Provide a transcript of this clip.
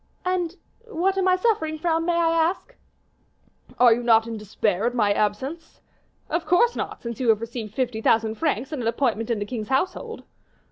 "And what am I suffering from, may I ask?" "Are you not in despair at my absence?" "Of course not, since you have received fifty thousand francs and an appointment in the king's household."